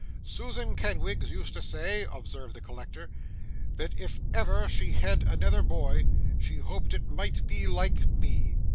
'Susan Kenwigs used to say,' observed the collector, 'that if ever she had another boy, she hoped it might be like me.